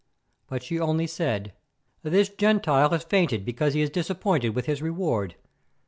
But she only said: "This Gentile has fainted because he is disappointed with his reward.